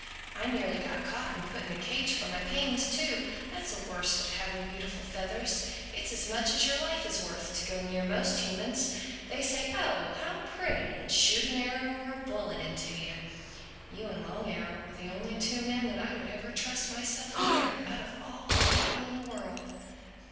I nearly got caught and put in a cage for my pains too. That's the worst of having beautiful feathers: it's as much as your life is worth to go near most humans—They say, 'oh how pretty!' and shoot an arrow or a bullet into you. You and Long Arrow were the only two men that I would ever trust myself near—out of all the people in the world."